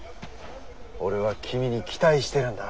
俺は君に期待してるんだ。